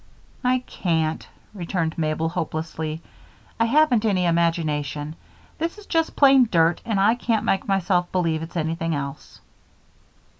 "I can't," returned Mabel, hopelessly. "I haven't any imagination. This is just plain dirt and I can't make myself believe it's anything else."